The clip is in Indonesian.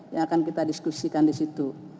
yang akan kita diskusikan disitu